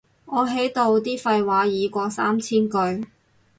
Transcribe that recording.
我喺度啲廢話已過三千句